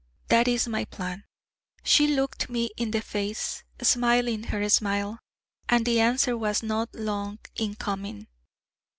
That is my plan.' She looked me in the face, smiling her smile: and the answer was not long in coming.